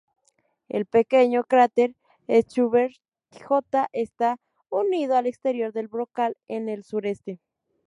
El pequeño cráter "Schubert J" está unido al exterior del brocal en el sureste.